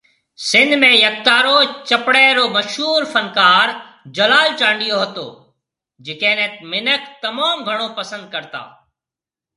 سنڌ ۾ يڪتارو چپڙي رو مشهور فنڪار جلال چانڊيو هتو جڪي ني منک تموم گھڻو پسند ڪرتا